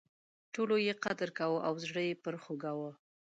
ټولو یې قدر کاوه او زړه یې پر خوږاوه.